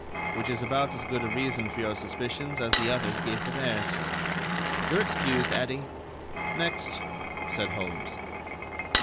"Which is about as good a reason for your suspicions as the others gave for theirs. You're excused, Addie. Next," said Holmes.